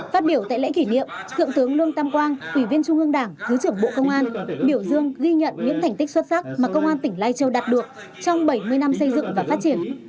phát biểu tại lễ kỷ niệm thượng tướng lương tam quang ủy viên trung ương đảng thứ trưởng bộ công an biểu dương ghi nhận những thành tích xuất sắc mà công an tỉnh lai châu đạt được trong bảy mươi năm xây dựng và phát triển